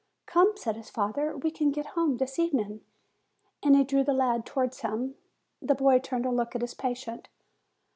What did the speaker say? "Come," said his father; "we can get home this evening." And he drew the lad towards him. The boy turned to look at his patient.